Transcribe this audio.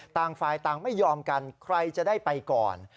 ต่างฝ่ายต่างไม่ยอมกันใครจะได้ไปก่อน